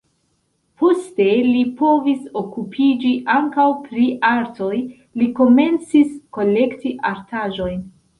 Poste li povis okupiĝi ankaŭ pri artoj, li komencis kolekti artaĵojn.